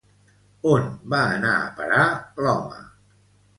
On va anar a parar l'home?